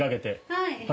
はい。